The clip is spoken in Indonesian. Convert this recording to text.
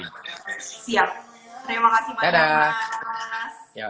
terima kasih mas ya mas